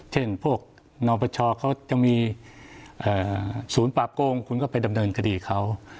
เช่นพวกนปชเขาจะมีศูนย์ปราบโกงคุณก็ไปดำเนินคดีเขา